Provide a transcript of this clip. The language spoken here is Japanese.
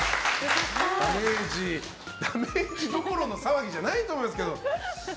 ダメージどころの騒ぎじゃないと思いますけど。